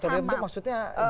moratorium itu maksudnya